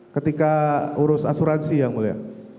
ketika urus asuransi yang mulia